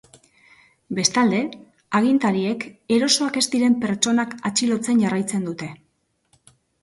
Bestalde, agintariek erosoak ez diren pertsonak atxilotzen jarraitzen dute.